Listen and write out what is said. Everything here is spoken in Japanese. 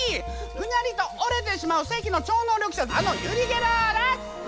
ぐにゃりと折れてしまう世紀の超能力者あのユリ・ゲラーです！